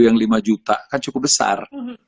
yang lima juta kan cukup besar